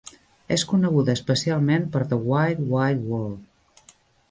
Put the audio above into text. És coneguda especialment per "The Wide, Wide World".